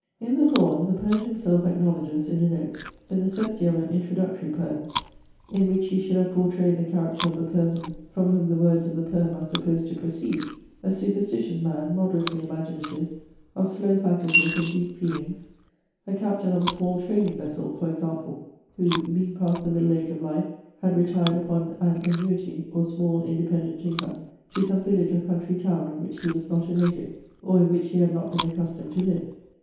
In THE THORN, the poet himself acknowledges in a note the necessity of an introductory poem, in which he should have portrayed the character of the person from whom the words of the poem are supposed to proceed: a superstitious man moderately imaginative, of slow faculties and deep feelings, "a captain of a small trading vessel, for example, who, being past the middle age of life, had retired upon an annuity, or small independent income, to some village or country town of which he was not a native, or in which he had not been accustomed to live.